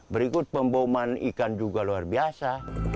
berikut pemboman ikan juga luar biasa